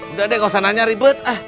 udah deh gak usah nanya ribet ah